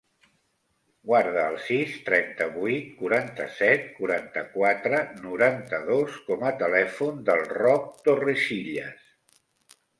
Guarda el sis, trenta-vuit, quaranta-set, quaranta-quatre, noranta-dos com a telèfon del Roc Torrecillas.